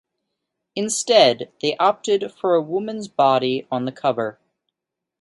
Instead, they opted for a woman's body on the cover.